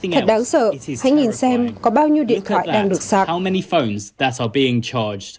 thật đáng sợ hãy nhìn xem có bao nhiêu điện thoại đang được sạch